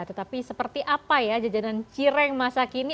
tetapi seperti apa ya jajanan cireng masa kini